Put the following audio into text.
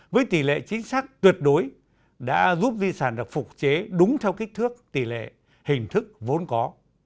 với tỷ lệ chính xác tuyệt đối đã giúp di sản được phục chế đúng theo kích thước tỷ lệ hình thức vốn có